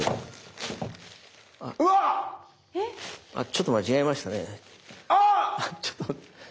ちょっと間違えましたね。